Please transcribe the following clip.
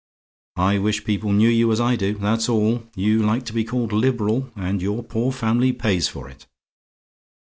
I wish people knew you, as I do that's all. You like to be called liberal and your poor family pays for it.